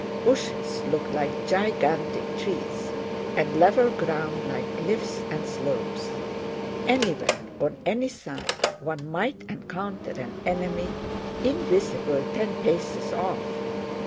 Bushes looked like gigantic trees and level ground like cliffs and slopes. Anywhere, on any side, one might encounter an enemy invisible ten paces off.